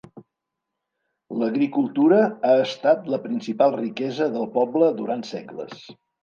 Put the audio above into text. L'agricultura ha estat la principal riquesa del poble durant segles.